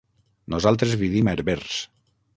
Nosaltres vivim a Herbers.